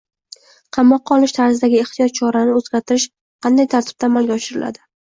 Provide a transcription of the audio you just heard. Qamoqqa olish tarzidagi ehtiyot chorani o‘zgartirish qanday tartibda amalga oshiriladi?